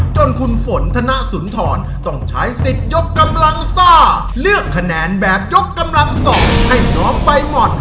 จนคุณฝนธนสุนทรต้องใช้สิทธิ์ยกกำลังซ่าเลือกคะแนนแบบยกกำลังสองให้น้องใบหม่อน